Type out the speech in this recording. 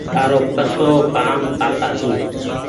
تآرو ڪسو ڪآم ڪاڪا سو